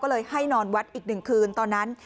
ก็เลยให้นอนวัดอีก๑คืนตอนนั้น